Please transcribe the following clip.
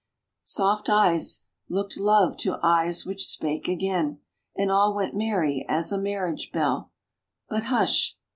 1 33 Soft eyes looked love to eyes which spake again, And all went merry as a marriage bell ; But hush!